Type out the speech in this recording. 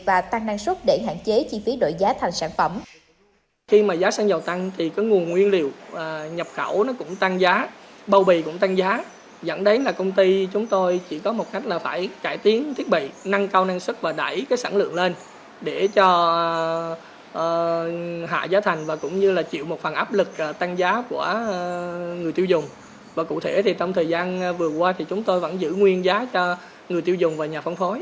và tăng năng suất để hạn chế chi phí đổi giá thành sản phẩm